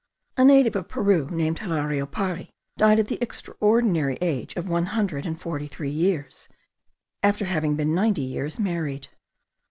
A native of Peru named Hilario Pari died at the extraordinary age of one hundred and forty three years, after having been ninety years married.